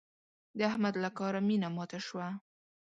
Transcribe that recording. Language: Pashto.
د احمد له کاره مينه ماته شوه.